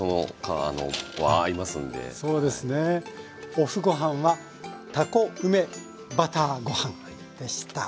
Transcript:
ＯＦＦごはんは「たこ梅バターご飯」でした。